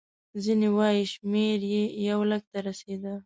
ځینې وایي شمېر یې یو لک ته رسېده.